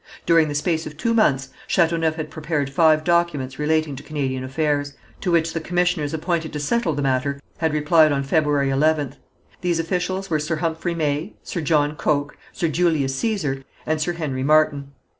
During the space of two months, Chateauneuf had prepared five documents relating to Canadian affairs, to which the commissioners appointed to settle the matter had replied on February 11th. These officials were Sir Humphrey May, Sir John Coke, Sir Julius Cæsar, and Sir Henry Martin.